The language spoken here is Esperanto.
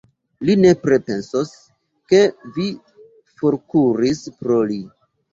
Li nepre pensos, ke vi forkuris pro li!